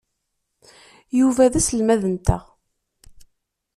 Yuba d aselmad-nteɣ.